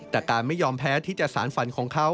แต่การไม่ยอมแพ้ที่จะสารฝันของเขา